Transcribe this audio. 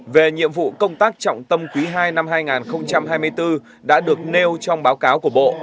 về nhiệm vụ công tác trọng tâm quý ii năm hai nghìn hai mươi bốn đã được nêu trong báo cáo của bộ